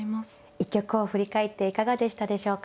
一局を振り返っていかがでしたでしょうか。